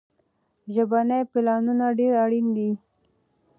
ژبني پلانونه ډېر اړين دي.